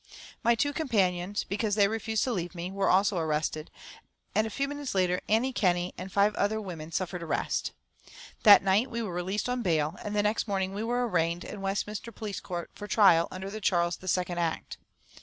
My two companions, because they refused to leave me, were also arrested, and a few minutes later Annie Kenney and five other women suffered arrest. That night we were released on bail, and the next morning we were arraigned in Westminster police court for trial under the Charles II Act.